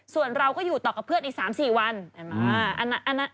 ส่วนเราก็อยู่ต่อกับเพื่อนอีก๓๔วัน